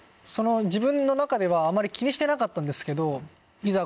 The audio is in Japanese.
自分の中ではあまり気にしてなかったんですけどいざ